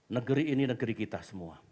negeri ini negeri kita semua